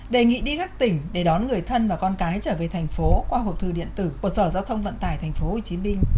đề nghị đi các tỉnh để đón người thân và con cái trở về thành phố qua hộp thư điện tử của sở giao thông vận tải tp hcm